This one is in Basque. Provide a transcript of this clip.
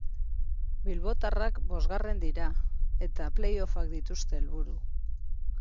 Bilbotarrak bosgarren dira eta play-offak dituzte helburu.